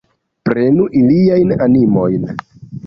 Prenu iliajn animojn!